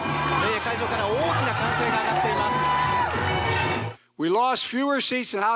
会場から大きな歓声が上がっています。